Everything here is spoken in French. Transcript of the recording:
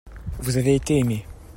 vous avez été aimé.